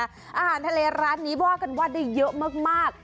อาหารทะเลร้านนี้ว่ากันว่าได้เยอะมาก